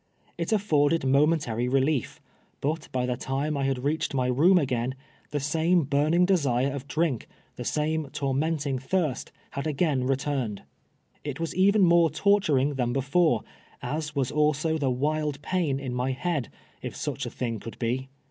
It alforded momentary relief. Init by tlie time I had roaelied my room a;;';un. the same l)uriiiug desire of drink, the same tormenting thirst, had again returned. It was even more torturing than before, as was also the wild pain in my head, if such a thing could be.